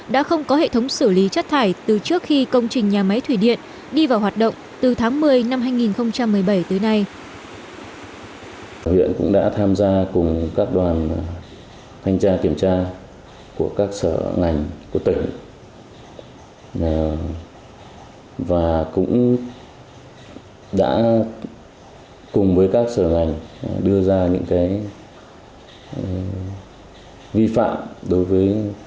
đã không có hệ thống xử lý chất thải từ trước khi công trình nhà máy thủy điện đi vào hoạt động từ tháng một mươi năm hai nghìn một mươi bảy tới nay